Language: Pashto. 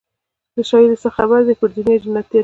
له شهیده څه خبر دي پر دنیا جنتیان سوي